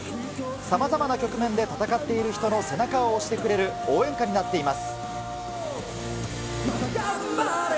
さまざまな局面で戦っている人の背中を押してくれる、応援歌になっています。